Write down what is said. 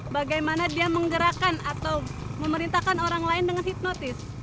bagaimana dia menggerakkan atau memerintahkan orang lain dengan hipnotis